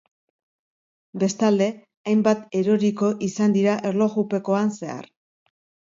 Bestalde, hainbat eroriko izan dira erlojupekoan zehar.